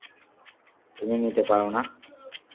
তুমি নিতে পারো না?